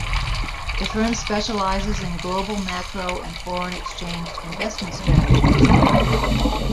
The firm specializes in global macro and foreign exchange investment strategies.